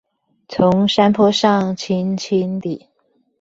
從山坡上輕輕地